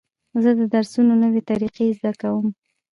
زه د درسونو نوې طریقې زده کوم.